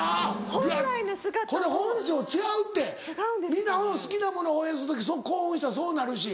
皆うん好きなもの応援する時興奮したらそうなるし。